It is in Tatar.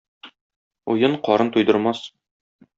Уен карын туйдырмас.